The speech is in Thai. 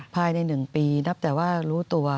ภายใน๑ปีนับแต่ว่ารู้ตัว